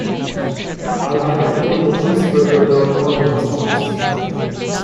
I'd like to order the cheeseburger without onions, please.